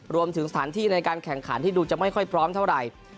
รวมถึงสถานที่ในการแข่งขันที่ดูจะไม่ค่อยพร้อมเท่าไหร่